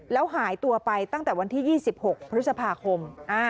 แล้วหายตัวไปตั้งแต่วันที่ยี่สิบหกพฤษภาคมอ่า